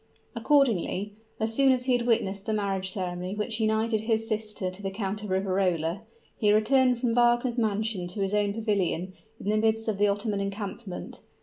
Accordingly, as soon as he had witnessed the marriage ceremony which united his sister to the Count of Riverola, he returned from Wagner's mansion to his own pavilion in the midst of the Ottoman encampment.